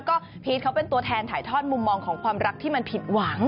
ก็พีชเขาเป็นตัวแทนถ่ายทอดมุมมองของความรักที่มันผิดหวัง